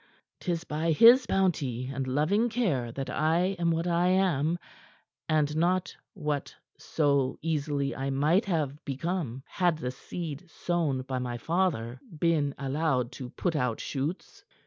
'Tis by his bounty and loving care that I am what I am, and not what so easily I might have become had the seed sown by my father been allowed to put out shoots."